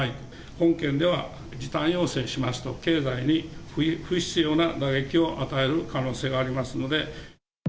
本県では時短要請しますと経済に不必要な打撃を与える可能性がありますので。